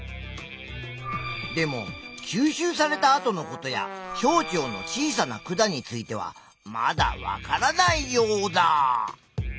でも吸収されたあとのことや小腸の小さな管についてはまだわからないヨウダ！